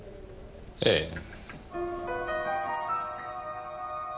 ええ。